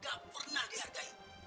gak pernah dihargai